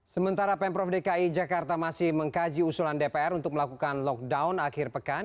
sementara pemprov dki jakarta masih mengkaji usulan dpr untuk melakukan lockdown akhir pekan